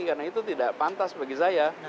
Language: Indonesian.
karena itu tidak pantas bagi saya